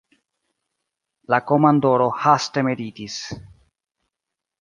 La komandoro haste meditis.